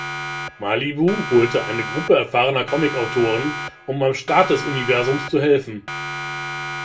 Malibu holte eine Gruppe erfahrener Comicautoren, um beim Start des Universums zu helfen.